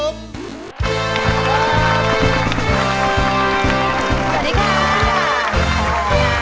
สวัสดีค่ะ